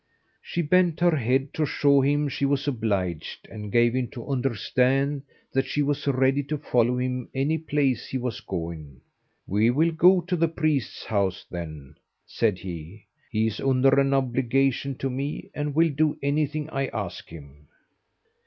She bent her head, to show him she was obliged, and gave him to understand that she was ready to follow him any place he was going. "We will go to the priest's house, then," said he; "he is under an obligation to me, and will do anything I ask him."